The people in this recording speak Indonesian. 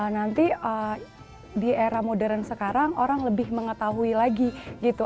nanti di era modern sekarang orang lebih mengetahui lagi gitu